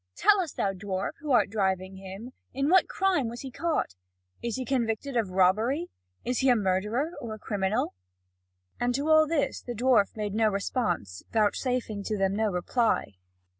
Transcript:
Tell us, thou dwarf, who art driving him, in what crime was he caught? Is he convicted of robbery? Is he a murderer, or a criminal?" And to all this the dwarf made no response, vouchsafing to them no reply.